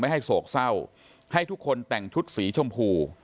ให้โศกเศร้าให้ทุกคนแต่งชุดสีชมพู